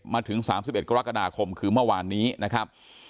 มาถึง๓๑กรกฎาคมคือเมื่อวานนี้นะครับ